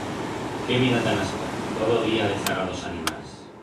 Qué vida tan aspra, todo o día dezaga d'os animals.